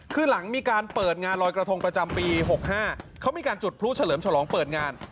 คือหลังมีการเปิดงานลอยกระทงประจำปี๖๕เขามีการจุดพลุเฉลิมฉลองเปิดงาน